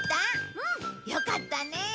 うん！よかったね。